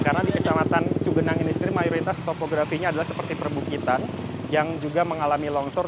karena di kecamatan cugenang ini sendiri mayoritas topografinya adalah seperti perbukitan yang juga mengalami longsor